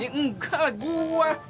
ya enggak lah gua